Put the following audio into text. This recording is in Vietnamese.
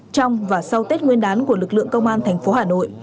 trong và sau tết nguyên đán của lực lượng công an thành phố hà nội